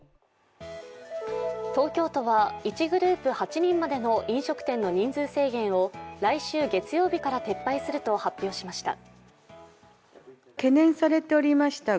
東京都は１グループ８人までの飲食店の人数制限を来週月曜日から撤廃すると発表しました。